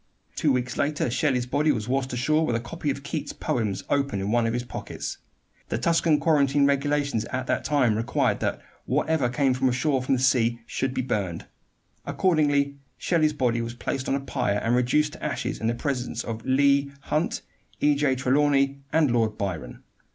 Two weeks later Shelley's body was washed ashore with a copy of Keats' poems open in one of his pockets. The Tuscan quarantine regulations at that time required that whatever came ashore from the sea should be burned. Accordingly Shelley's body was placed on a pyre and reduced to ashes in the presence of Leigh Hunt, E. J. Trelawney, and Lord Byron.